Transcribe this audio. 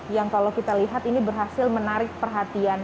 yang kalau kita lihat ini berhasil menarik perhatian